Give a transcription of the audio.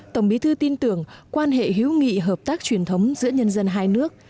tổng bí thư tin tưởng quan hệ hữu nghị hợp tác truyền thống giữa nhân dân hai nước